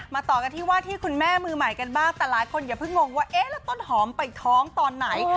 ต่อกันที่ว่าที่คุณแม่มือใหม่กันบ้างแต่หลายคนอย่าเพิ่งงงว่าเอ๊ะแล้วต้นหอมไปท้องตอนไหน